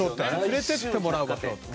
連れていってもらう場所。